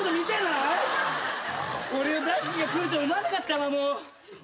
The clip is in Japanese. これを出す日が来るとは思わなかったわもう。